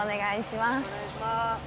お願いします。